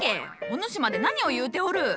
お主まで何を言うておる。